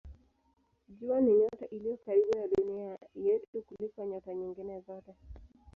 Jua ni nyota iliyo karibu na Dunia yetu kuliko nyota nyingine zote.